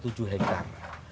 satu bau itu nol kompetensi